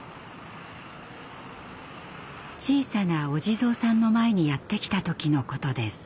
小さなお地蔵さんの前にやって来た時のことです。